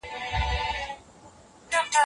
ستاسو په ذهن کي به د نوي کارونو پلان وي.